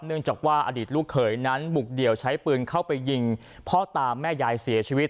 เนื่องจากว่าอดีตลูกเขยนั้นบุกเดี่ยวใช้ปืนเข้าไปยิงพ่อตาแม่ยายเสียชีวิต